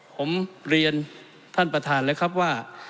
ผมเรียนท่านประธานแล้วครับว่า